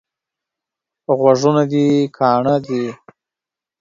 غوږونه دي کاڼه دي؟